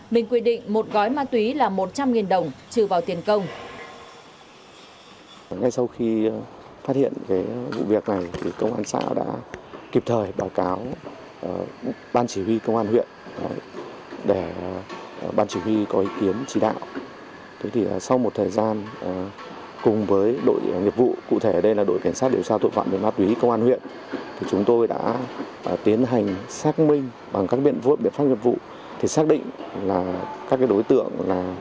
minh quy định một gói ma túy là một trăm linh đồng trừ vào tiền công